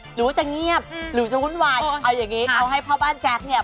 หรือว่าจะเงียบหรือจะวุ่นวายเอาอย่างงี้เอาให้พ่อบ้านแจ๊คเนี่ย